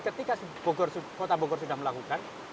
ketika kota bogor sudah melakukan